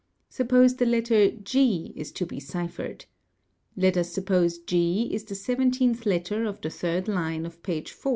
Suppose the letter g is to be ciphered. Let us suppose g is the 17th letter of the 3rd line of page 4.